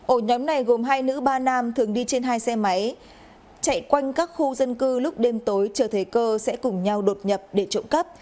ổ nhóm này gồm hai nữ ba nam thường đi trên hai xe máy chạy quanh các khu dân cư lúc đêm tối chờ thấy cơ sẽ cùng nhau đột nhập để trộm cắp